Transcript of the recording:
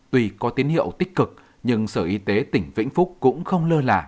tùy có tín hiệu tích cực nhưng sở y tế tỉnh vĩnh phúc cũng không lơ lả